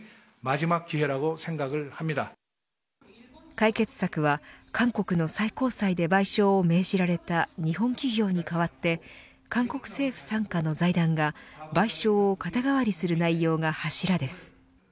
解決策は韓国の最高裁で賠償を命じられた日本企業に代わって韓国政府傘下の財団が賠償を肩代わりする内容が柱です。